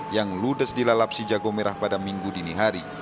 yang ludes dila lapsi jagomera pada minggu dini hari